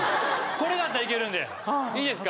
これがあったらいけるんでいいですか？